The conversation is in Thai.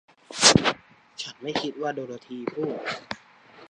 ฉันไม่คิดว่า โดโรธีพูด